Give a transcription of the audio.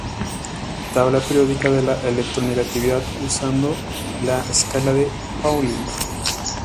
Tabla periódica de la electronegatividad usando la escala de Pauling.